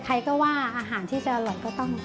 ใครก็ว่าอาหารที่จะอร่อยก็ต้อง